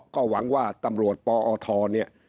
ก็หวังว่าตำรวจปอทเนี่ย